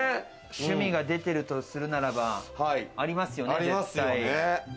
趣味が出てるとするならば、ありますよね、絶対。